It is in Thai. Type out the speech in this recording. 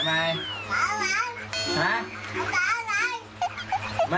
อะไร